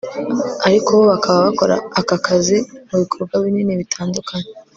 ariko bo bakaba bakora aka kazi mu bikorwa binini bitandukanye